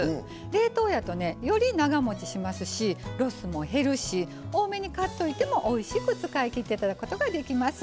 冷凍やとねより長もちしますしロスも減るし多めに買っといてもおいしく使い切っていただくことができます。